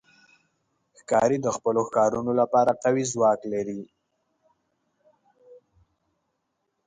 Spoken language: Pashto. ښکاري د خپلو ښکارونو لپاره قوي ځواک لري.